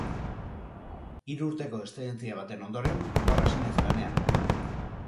Hiru urteko eszedentzia baten ondoren, gaur hasi naiz lanean